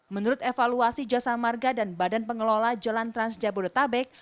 menurut evaluasi jasa marga dan badan pengelola jalan trans jabodetabek